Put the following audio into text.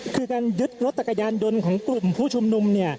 คือการยึดรถจักรยานยนต์ของกลุ่มผู้ชุมนุม